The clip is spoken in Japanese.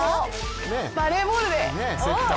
バレーボールで！